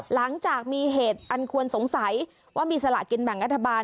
หลังจากมีเหตุอันควรสงสัยว่ามีสละกินแบ่งรัฐบาล